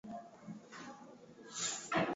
wanaweza kulengwa iwapo matukio yanaongezeka